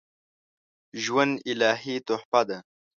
ژوند الهي تحفه ده